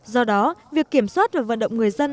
do đó việc kiểm soát và vận động người dân